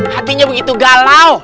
hatinya begitu galau